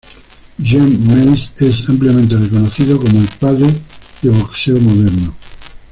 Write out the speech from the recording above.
Jem Mace es ampliamente reconocido como el "Padre de Boxeo Moderno".